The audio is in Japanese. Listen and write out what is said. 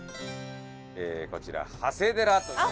こちら長谷寺という。